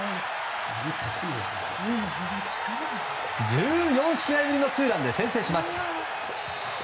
１４試合ぶりのツーランで先制します。